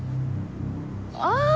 ああ！